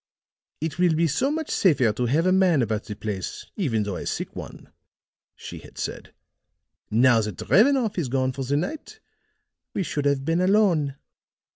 "It will be so much safer to have a man about the place, even though a sick one," she had said. "Now that Drevenoff is gone for the night, we should have been alone."